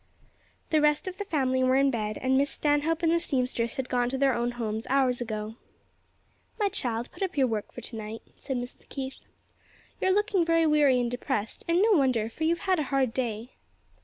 The rest of the family were in bed and Miss Stanhope and the seamstress had gone to their own homes hours ago. "My child, put up your work for to night," said Mrs. Keith; "You are looking weary and depressed; and no wonder, for you have had a hard day."